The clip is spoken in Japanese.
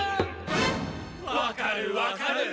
わかるわかる。